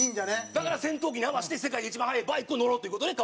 だから戦闘機に合わせて世界で一番速いバイクに乗ろうっていう事でカワサキのバイク。